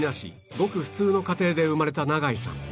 ごく普通の家庭で生まれた永井さん